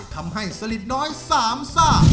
ทำให้สลิดน้อย๓ซ่า